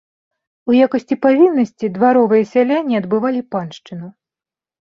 У якасці павіннасці дваровыя сяляне адбывалі паншчыну.